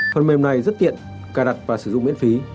phần mềm này rất tiện cài đặt và sử dụng miễn phí